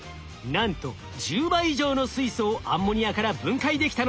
なんと１０倍以上の水素をアンモニアから分解できたのです。